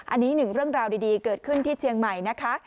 อันนี้หนึ่งเรื่องราวดีเกิดขึ้นที่เชียงใหม่นะคะ